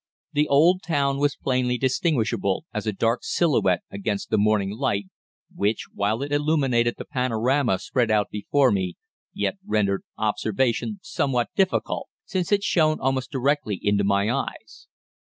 The old town was plainly distinguishable as a dark silhouette against the morning light, which, while it illumined the panorama spread out before me, yet rendered observation somewhat difficult, since it shone almost directly into my eyes.